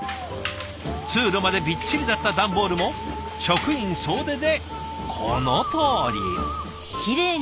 通路までびっちりだった段ボールも職員総出でこのとおり。